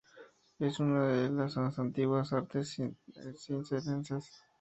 Es una de las más antiguas artes circenses.